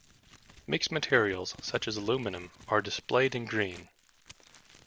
Mixed materials such as aluminum are displayed in green.